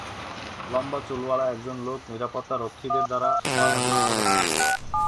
লম্বা চুলওয়ালা একজন লোক নিরাপত্তা রক্ষীদের দ্বারা বাধাগ্রস্ত হচ্ছে।